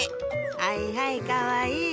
はいはいかわいい。